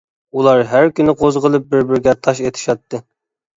ئۇلار ھەر كۈنى قوزغىلىپ بىر-بىرىگە تاش ئېتىشاتتى.